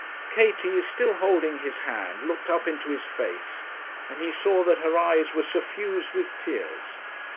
Katie, still holding his hand, looked up into his face, and he saw that her eyes were suffused with tears.